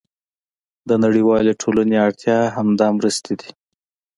د نړیوالې ټولنې اړتیا همدا مرستې دي.